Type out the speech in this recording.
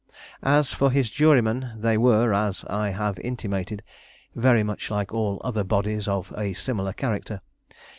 As for his jurymen, they were, as I have intimated, very much like all other bodies of a similar character.